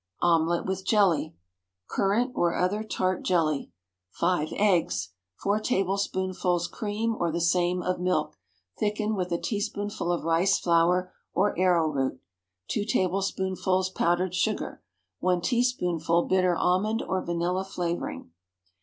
OMELETTE WITH JELLY. Currant or other tart jelly. 5 eggs. 4 tablespoonfuls cream, or the same of milk, thickened with a teaspoonful of rice flour or arrow root. 2 tablespoonfuls powdered sugar. 1 teaspoonful bitter almond or vanilla flavoring.